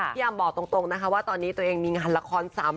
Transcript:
พี่อำบอกตรงนะคะว่าตอนนี้ตัวเองมีงานละครซ้ำ